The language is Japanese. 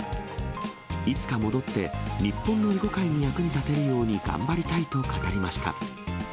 いつか戻って、日本の囲碁界に役に立てるように頑張りたいと語りました。